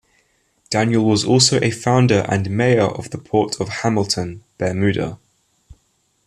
Daniel was also a founder and Mayor of the port of Hamilton, Bermuda.